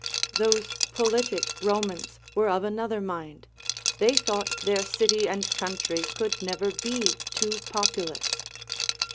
Those politic Romans were of another mind, they thought their city and country could never be too populous.